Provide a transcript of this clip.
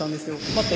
また